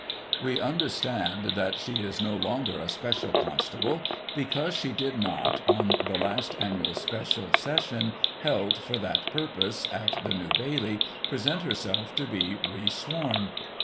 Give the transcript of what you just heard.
We Digitized by Google 42 GOSSIP. [1838 understand that she is no longer a special constable, because she did not, on the last annual special session, held for that purpose at the New Bailey, present herself to be resworn.